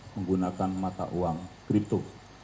menggunakan mata uang kripto